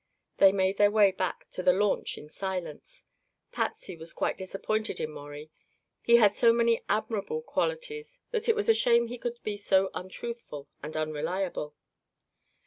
They made their way back to the launch in silence. Patsy was quite disappointed in Maurie. He had so many admirable qualities that it was a shame he could be so untruthful and unreliable.